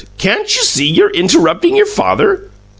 Can't you see you're interrupting your father.